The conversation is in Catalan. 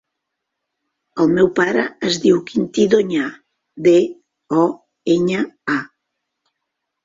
El meu pare es diu Quintí Doña: de, o, enya, a.